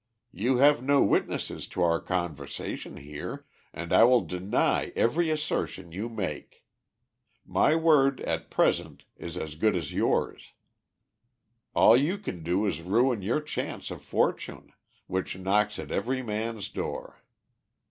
You have no witnesses to our conversation here, and I will deny every assertion you make. My word, at present, is as good as yours. All you can do is to ruin your chance of fortune, which knocks at every man's door.